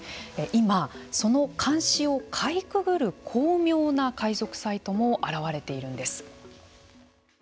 今、その監視をかいくぐる巧妙な海賊版サイトも現れているんです。